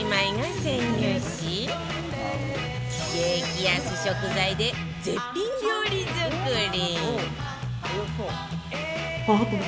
激安食材で絶品料理作り